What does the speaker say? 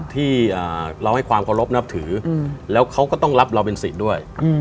ที่เราให้ความเคารพนับถือแล้วเขาก็ต้องรับเราเป็นสิทธิ์ด้วย